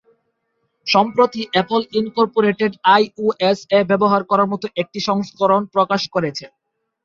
সম্প্রতি Apple Incorporated iOS এ ব্যবহার করার মত একটি একটি সংস্করণ প্রকাশ করেছে।